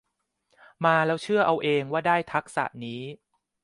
มาแล้วเชื่อเอาเองว่าได้ทักษะนี้